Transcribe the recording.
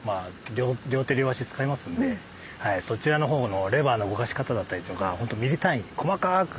両手両足使いますんでそちらのほうのレバーの動かし方だったりっていうのがほんとミリ単位で細かく。